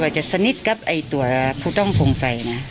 ของกับไอตัวว่าผู้ต้องสงสัยนะ